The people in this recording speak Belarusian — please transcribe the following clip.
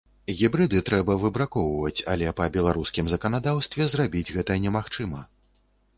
Гібрыды трэба выбракоўваць, але па беларускім заканадаўстве зрабіць гэта немагчыма.